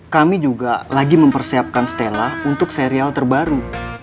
kami juga lagi mempersiapkan stella untuk serial terbaru